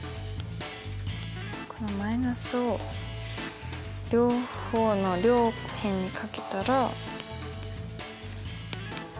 このマイナスを両方の両辺にかけたら。